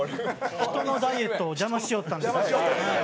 人のダイエットを邪魔しよったんですよ。